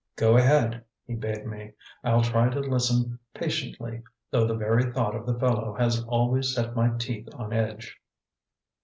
"Go ahead," he bade me. "I'll try to listen patiently, though the very thought of the fellow has always set my teeth on edge."